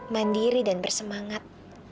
mandiri dan bersemangat